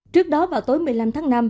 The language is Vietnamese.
trước đó vào tối một mươi năm tháng năm